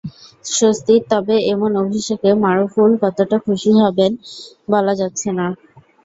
স্বস্তির, তবে এমন অভিষেকে মারুফুল কতটা খুশি হতে হবেন, বলা যাচ্ছে না।